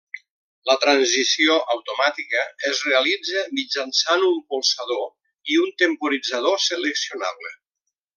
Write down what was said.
La transició automàtica es realitza mitjançant un polsador i un temporitzador seleccionable.